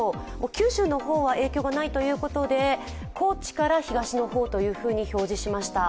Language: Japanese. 九州の方は影響がないということで高知から東の方ということで表示しました。